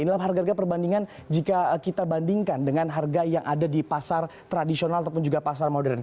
inilah harga harga perbandingan jika kita bandingkan dengan harga yang ada di pasar tradisional ataupun juga pasar modern